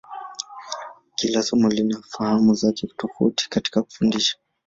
Kila somo lina fahamu zake tofauti katika kufundisha.